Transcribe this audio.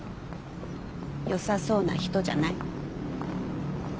よさそうな人じゃない？